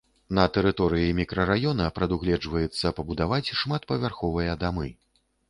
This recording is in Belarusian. На тэрыторыі мікрараёна прадугледжваецца пабудаваць шматпавярховыя дамы.